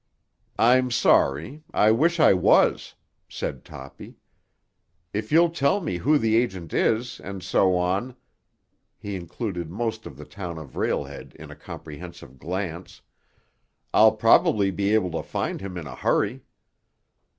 "I'm sorry; I wish I was," said Toppy. "If you'll tell me who the agent is, and so on—" he included most of the town of Rail Head in a comprehensive glance—"I'll probably be able to find him in a hurry."